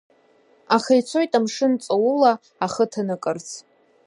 Аха ицоит амшын ҵаула, ахы ҭанакырц.